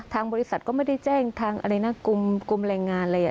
ทางบริษัทก็ไม่ได้แจ้งทางอะไรนะกลุ่มแรงงานเลย